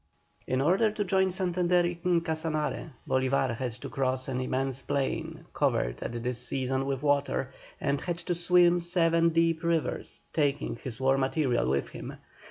1819 1822. In order to join Santander in Casanare Bolívar had to cross an immense plain, covered at this season with water, and had to swim seven deep rivers, taking his war material with him.